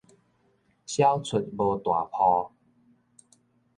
痟齣無大簿